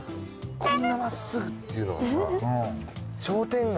こんなまっすぐっていうのはさ商店街